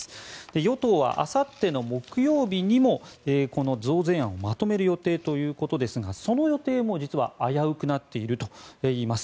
与党はあさっての木曜日にもこの増税案をまとめる予定ということですがその予定も実は危うくなっているといいます。